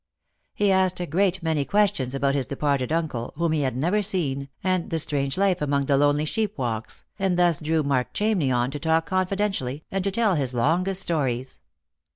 He asked a great many questions about his departed uncle, whom he had never seen, and the strange life among the lonely sheep walks, and thus drew Mark Ohamney on to talk confiden tially, and to tell his longest stories.